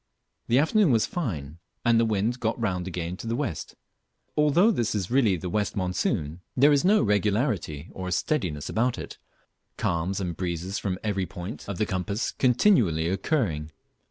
The afternoon was fine, and the wind got round again to the west; but although this is really the west monsoon, there is no regularity or steadiness about it, calms and breezes from every point of the compass continually occurring.